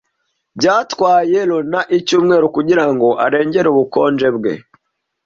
Byatwaye Ioana icyumweru kugirango arengere ubukonje bwe.